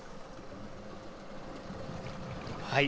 はい。